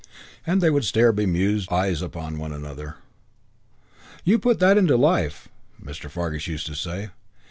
And they would stare bemused eyes upon one another. "You put that into life," Mr. Fargus used to say.